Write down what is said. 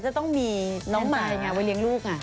จะต้องมีน้องมายไงไว้เลี้ยงลูก